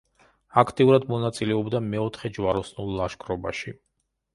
აქტიურად მონაწილეობდა მეოთხე ჯვაროსნულ ლაშქრობაში.